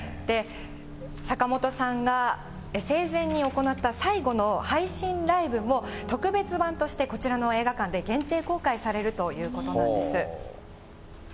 坂本さんが生前に行った最後の配信ライブも特別版として、こちらの映画館で限定公開されるということなんです。